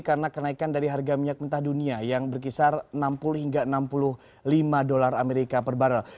karena kenaikan dari harga minyak mentah dunia yang berkisar enam puluh hingga enam puluh lima dolar amerika per barang